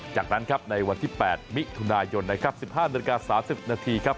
จากนั้นครับในวันที่๘มิถุนายนนะครับ๑๕นาฬิกา๓๐นาทีครับ